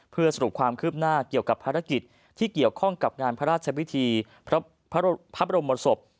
เพื่อสรุปความคืบหน้าเกี่ยวกับภารกิจที่เกี่ยวข้องกับงานพระราชพิธีพระบรมศพ